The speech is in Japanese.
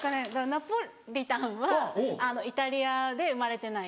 ナポリタンはイタリアで生まれてない。